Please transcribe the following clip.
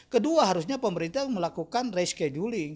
kedua harusnya pemerintah melakukan rescheduling